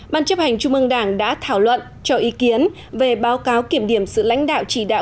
ban chấp hành trung ương đảng đã thảo luận cho ý kiến về báo cáo kiểm điểm sự lãnh đạo chỉ đạo